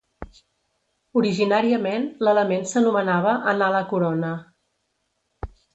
Originàriament, l'element s'anomenava Anala Corona.